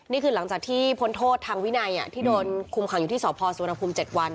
นี่คือหลังจากที่พ้นโทษทางวินัยที่โดนคุมขังอยู่ที่สพสุวรรณภูมิ๗วัน